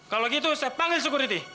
kalau gitu saya panggil security